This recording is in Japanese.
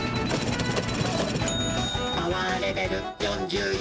「パワーレベル４４」。